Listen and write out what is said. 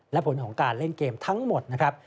และผลของการเล่นเกมทั้งหมดนะครับ